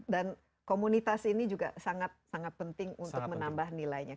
komunitas ini juga sangat sangat penting untuk menambah nilainya